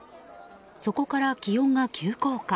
そこから気温が急降下。